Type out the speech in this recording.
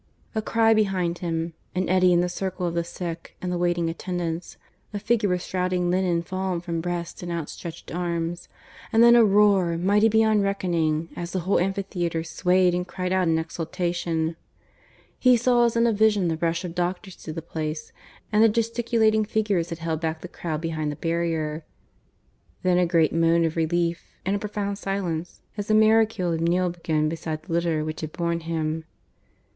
... A cry behind him, an eddy in the circle of the sick and the waiting attendants, a figure with shrouding linen fallen from breast and outstretched arms, and then a roar, mighty beyond reckoning, as the whole amphitheatre swayed and cried out in exultation. He saw as in a vision the rush of doctors to the place, and the gesticulating figures that held back the crowd behind the barrier. Then a great moan of relief; and a profound silence as the miracule kneeled again beside the litter which had borne him.